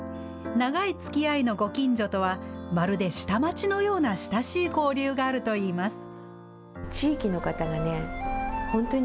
長いつきあいのご近所とはまるで下町のような親しい交流があるといいます。